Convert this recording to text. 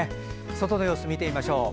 外の様子を見てみましょう。